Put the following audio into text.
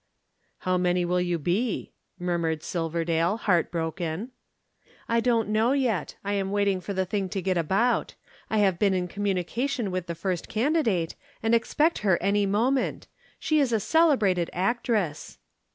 "How many will you be?" murmured Silverdale, heartbroken. "I don't know yet. I am waiting for the thing to get about. I have been in communication with the first candidate, and expect her any moment. She is a celebrated actress."